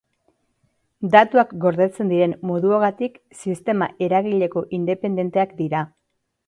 Datuak gordetzen diren moduagatik sistema eragileko independenteak dira.